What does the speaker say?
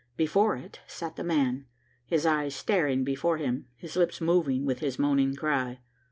Before it sat the man, his eyes staring before him, his lips moving with his moaning cry.